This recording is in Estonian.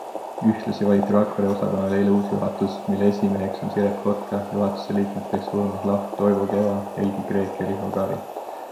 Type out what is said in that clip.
Ühtlasi valiti Rakvere osakonnale eile uus juhatus, mille esimeheks on Siret Kotka ja juhatuse liikmeteks Urmas Laht, Toivo Keva, Helgi Kreek ja Riho Kari.